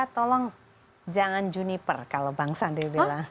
tolong jangan juniper kalau bang sandi bilang